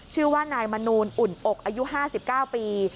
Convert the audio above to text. ชื่อว่านายมนูลอุ่นอกอายุ๕๙ปี